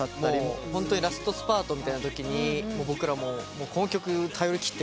ホントにラストスパートみたいなときに僕らこの曲頼りきってるんで。